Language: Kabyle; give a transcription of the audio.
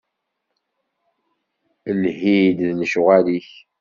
Lhi-d d lecɣal-ik.